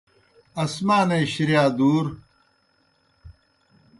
آسمانے شِرِیا دُور